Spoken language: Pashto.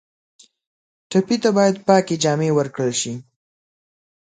ټپي ته باید پاکې جامې ورکړل شي.